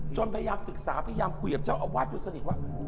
พยายามศึกษาพยายามคุยกับเจ้าอาวาสด้วยสนิทว่า